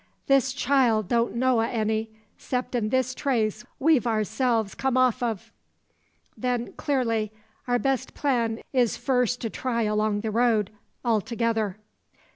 "This chile don't know o' any, ceptin' this trace we've ourselves kum off o'." "Then, clearly, our best plan is first to try along the road all together."